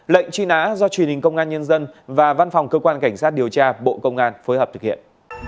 lệnh truy nã do truyền hình công an nhân dân và văn phòng cơ quan cảnh sát điều tra bộ công an phối hợp thực hiện